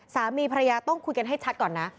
สามีภรรยาต้องคุยกันให้ชัดก่อนนะ